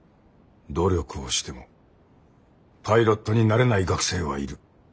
努力をしてもパイロットになれない学生はいる。